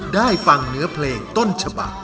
ได้ฟังเนื้อเพลงต้นฉบัก